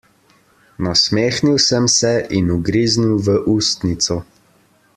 Nasmehnil sem se in ugriznil v ustnico.